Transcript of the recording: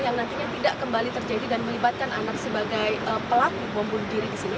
yang nantinya tidak kembali terjadi dan melibatkan anak sebagai pelaku bom bunuh diri di sini